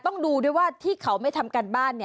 ต้องดูด้วยว่าที่เขาไม่ทำการบ้าน